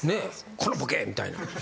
「このボケ」みたいな。